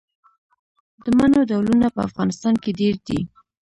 د مڼو ډولونه په افغانستان کې ډیر دي.